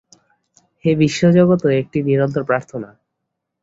এ বিশ্বজগৎও একটি নিরন্তর প্রার্থনা।